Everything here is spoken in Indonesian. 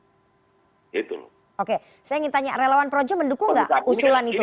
pendekat ini adalah ide ide orang stres itu loh oke saya ingin tanya relawan proce mendukung gak usulan itu